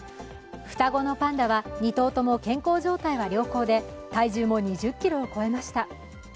双子のパンダは２頭とも健康状態は良好で体重も２０ｋｇを超えました。